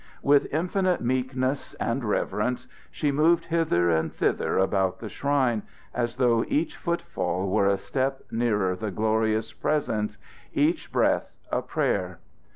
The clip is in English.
With infinite meekness and reverence she moved hither and thither about the shrine, as though each footfall were a step nearer the glorious Presence, each breath a prayer.